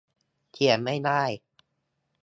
เขียนไม่ได้